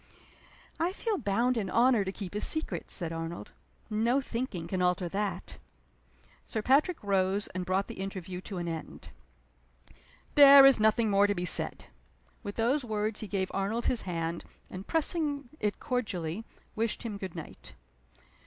"I feel bound in honor to keep his secret," said Arnold. "No thinking can alter that." Sir Patrick rose, and brought the interview to an end. "There is nothing more to be said." With those words he gave Arnold his hand, and, pressing it cordially, wished him good night.